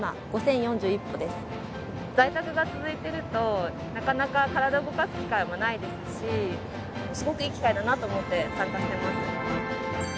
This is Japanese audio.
在宅が続いてるとなかなか体動かす機会もないですしすごくいい機会だなと思って参加してます。